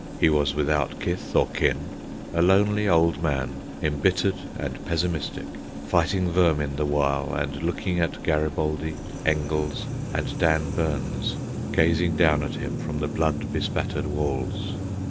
He was without kith or kin, a lonely old man, embittered and pessimistic, fighting vermin the while and looking at Garibaldi, Engels, and Dan Burns gazing down at him from the blood bespattered walls.